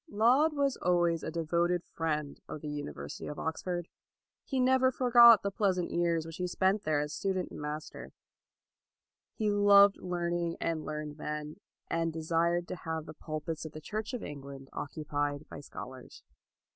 Laud was always a devoted friend of the University of Oxford. He never for got the pleasant years which he spent there as student and master. He loved learning and learned men, and desired to have the pulpits of the Church of England occupied by scholars.